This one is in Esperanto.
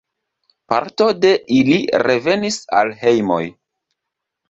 Parto de ili revenis al hejmoj.